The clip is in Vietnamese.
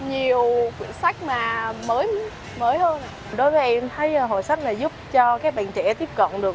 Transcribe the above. nhiều quyển sách mà mới mới hơn đối với em thấy hội sách là giúp cho các bạn trẻ tiếp cận được